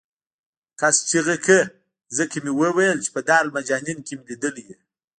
کس چغه کړه ځکه مې وویل چې په دارالمجانین کې مې لیدلی یې.